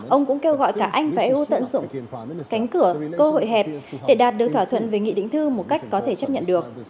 ông cũng kêu gọi cả anh và eu tận dụng cánh cửa cơ hội hẹp để đạt được thỏa thuận về nghị định thư một cách có thể chấp nhận được